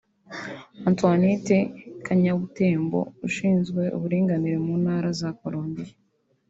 Antonette Kanyabutembo ushinzwe uburinganire mu Ntara za Colombia